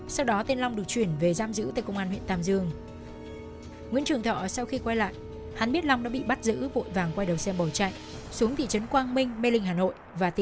sau đó thọ lừa chị m lên xe để hắn trở vào nơi giấu điện thoại